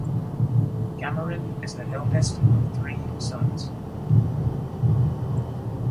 Cameron is the eldest of three sons.